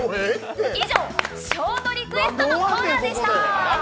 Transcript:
以上、ショートリクエストコーナーでした。